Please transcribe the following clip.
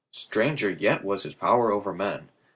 Stranger yet was his power over men.